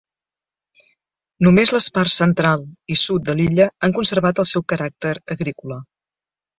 Només les parts central i sud de l'illa han conservat el seu caràcter agrícola.